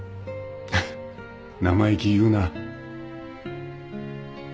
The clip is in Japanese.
フフッ生意気言うな。